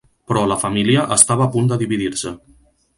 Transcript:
Però la família estava a punt de dividir-se.